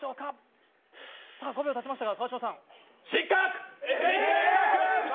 さぁ、５秒たちましたが川島さん？